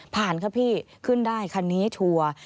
ครับพี่ขึ้นได้คันนี้ทัวร์